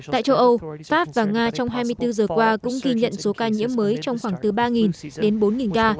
tại châu âu pháp và nga trong hai mươi bốn giờ qua cũng ghi nhận số ca nhiễm mới trong khoảng từ ba đến bốn ca